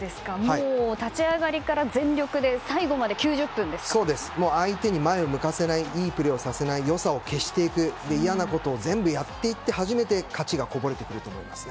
立ち上がりから全力で最後まで相手に前を向かせないいいプレーをさせない良さを消していく嫌なことを全部やっていって初めて勝ちがこぼれてくると思います。